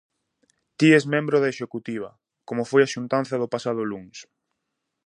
Ti es membro da executiva, como foi a xuntanza do pasado luns?